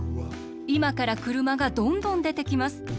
いまから車がどんどんでてきます。